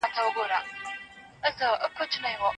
مور کېدل ستر مسووليت دی